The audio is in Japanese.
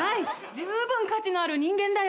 十分価値のある人間だよ。